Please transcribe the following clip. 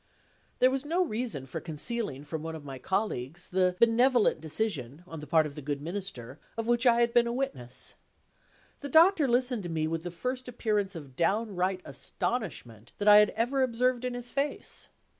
There was no reason for concealing from one of my colleagues the benevolent decision, on the part of the good Minister, of which I had been a witness. The Doctor listened to me with the first appearance of downright astonishment that I had ever observed in his face.